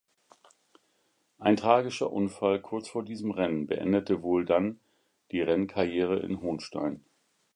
Ein tragischer Unfall kurz vor diesem Rennen beendete wohl dann die Rennkarriere in Hohnstein.